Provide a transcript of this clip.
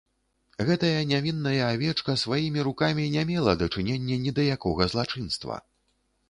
Гэтая нявінная авечка сваімі рукамі не мела дачынення ні да якога злачынства.